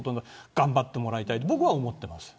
頑張ってもらいたいと僕は思っています。